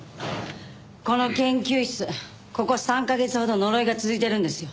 この研究室ここ３カ月ほど呪いが続いてるんですよ。